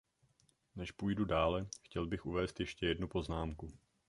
Než půjdu dále, chtěl bych uvést ještě jednu poznámku.